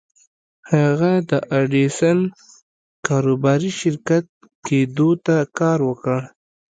هغه د ايډېسن کاروباري شريک کېدو ته کار وکړ.